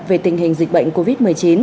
về tình hình dịch bệnh covid một mươi chín